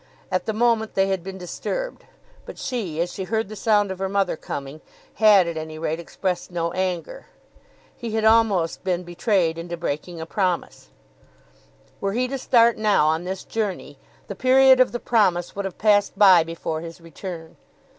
At the moment they had been disturbed, but she, as she heard the sound of her mother coming, had at any rate expressed no anger. He had almost been betrayed into breaking a promise. Were he to start now on this journey, the period of the promise would have passed by before his return.